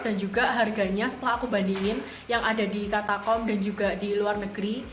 dan juga harganya setelah aku bandingin yang ada di katakom dan juga di luar negeri